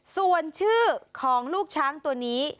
ส่วนชื่อของลูกช้างตัวนี้